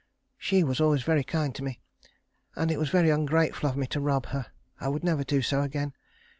She was always very kind to me, and it was very ungrateful of me to rob her. I would never do so again.